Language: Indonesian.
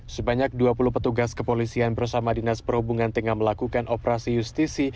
sebanyak dua puluh petugas kepolisian bersama dinas perhubungan tengah melakukan operasi justisi